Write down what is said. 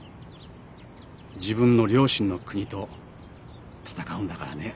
自分の両親の国と戦うんだからね。